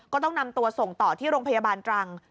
ก็ต้องนำตัวส่งต่อที่โรงพยาบาลตรัง